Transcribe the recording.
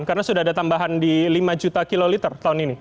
karena sudah ada tambahan di lima juta kiloliter tahun ini